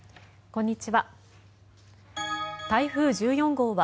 こんにちは。